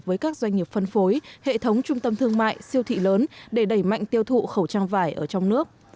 với các doanh nghiệp phân phối hệ thống trung tâm thương mại siêu thị lớn để đẩy mạnh tiêu thụ khẩu trang vải ở trong nước